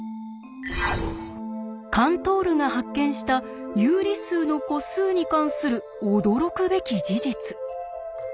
カントールが発見した有理数の個数に関する驚くべき事実。